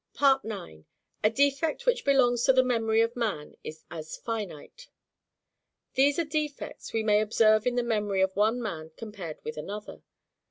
9. A defect which belongs to the memory of Man, as finite. These are defects we may observe in the memory of one man compared with another.